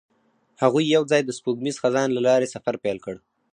هغوی یوځای د سپوږمیز خزان له لارې سفر پیل کړ.